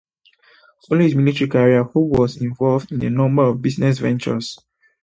Following his military career, Hope was involved in a number of business ventures.